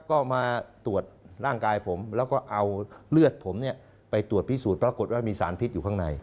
ก็มาตรวจร่างกายผมแล้วก็เอาเลือดผมเนี่ย